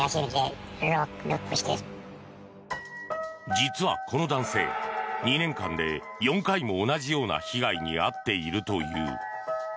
実は、この男性２年間で４回も同じような被害に遭っているという。